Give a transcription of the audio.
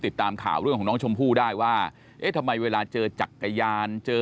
ติดตามข่าวเรื่องของน้องชมพู่ได้ว่าเอ๊ะทำไมเวลาเจอจักรยานเจอ